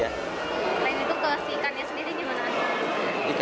selain itu ke si ikannya sendiri gimana